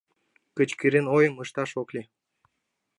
Кычкырен, ойым ышташ ок лий.